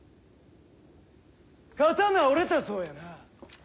刀折れたそうやな。